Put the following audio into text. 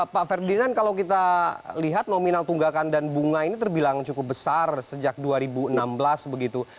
pak ferdinand kalau kita lihat nominal tunggakan dan bunga ini terbilang cukup besar sejak dua ribu enam belas begitu